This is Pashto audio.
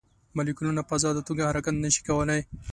مالیکولونه په ازاده توګه حرکت نه شي کولی.